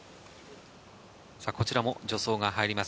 こちらも助走が入ります。